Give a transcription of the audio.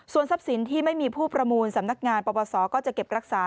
ส่วนทรัพย์สินที่ไม่มีผู้ประมูลสำนักงานปปศก็จะเก็บรักษา